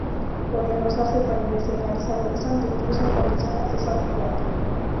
Podían usarse para enviar señales al horizonte, incluso en condiciones de sol brillante.